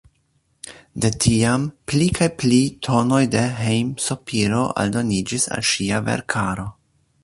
De tiam pli kaj pli tonoj de hejm-sopiro aldoniĝis al ŝia verkaro.